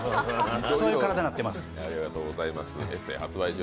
そういう体になっています。